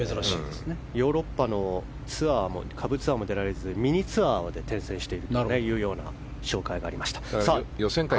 ヨーロッパの下部ツアーも出られずミニツアーまで転戦しているような紹介がありました。